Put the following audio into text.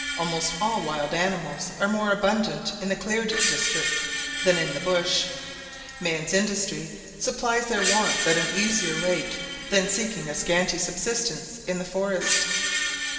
Almost all wild animals are more abundant in the cleared districts than in the bush. Man's industry supplies their wants at an easier rate than seeking a scanty subsistence in the forest.